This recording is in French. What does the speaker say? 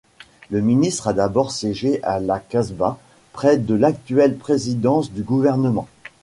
Le ministère a d'abord siégé à la kasbah, près de l'actuelle Présidence du gouvernement.